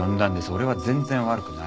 俺は全然悪くないです。